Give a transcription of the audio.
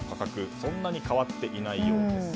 そんなに変わっていないようです。